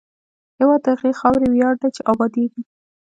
هېواد د هغې خاورې ویاړ دی چې ابادېږي.